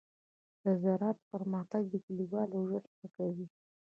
د زراعت پرمختګ د کليوالو ژوند ښه کوي.